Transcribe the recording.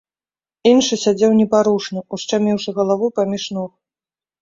Іншы сядзеў непарушна, ушчаміўшы галаву паміж ног.